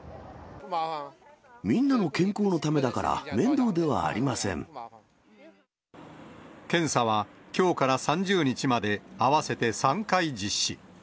みんなの健康のためだから、検査はきょうから３０日まで、合わせて３回実施。